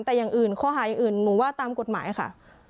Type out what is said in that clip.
แต่อย่างอื่นข้อหาอย่างอื่นหนูว่าตามกฎหมายค่ะ